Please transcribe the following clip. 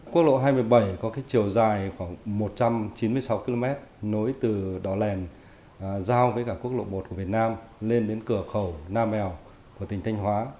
quốc lộ hai mươi bảy có chiều dài khoảng một trăm chín mươi sáu km nối từ đỏ lèn giao với cả quốc lộ một của việt nam lên đến cửa khẩu nam mèo của tỉnh thanh hóa